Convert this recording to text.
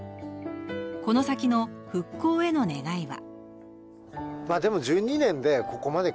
この先の復興への願いは。